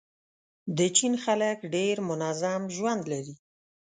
د چین خلک ډېر منظم ژوند لري.